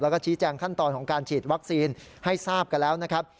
แล้วก็ชี้แจงขั้นตอนของการฉีดวัคซีนให้ทราบกันแล้วนะครับ